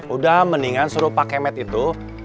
udah mendingan suruh pak kemet itu